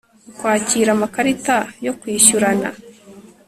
ukwakira amakarita yo kwishyurana